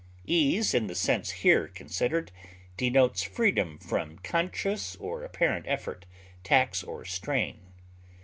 Ease in the sense here considered denotes freedom from conscious or apparent effort, tax, or strain.